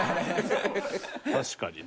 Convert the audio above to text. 確かにね。